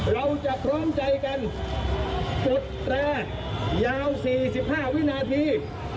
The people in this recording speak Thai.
เราจะพร้อมใจกันกดแตรยาว๔๕วินาที